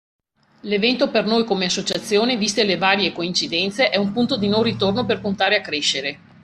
L’evento per noi come associazione, viste le varie coincidenze, è un punto di non ritorno per puntare a crescere.